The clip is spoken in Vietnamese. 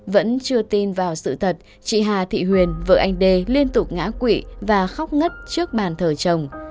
vẫn chưa tin vào sự thật chị hà thị huyền vợ anh đê liên tục ngã quỵ và khóc ngất trước bàn thờ chồng